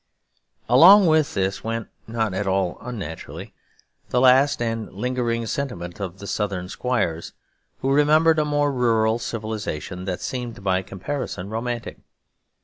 Along with this went, not at all unnaturally, the last and lingering sentiment of the Southern squires, who remembered a more rural civilisation that seemed by comparison romantic.